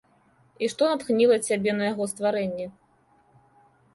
І што натхніла цябе на яго стварэнне?